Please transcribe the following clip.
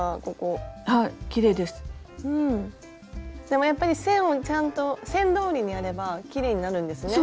でもやっぱり線をちゃんと線どおりにやればきれいになるんですね。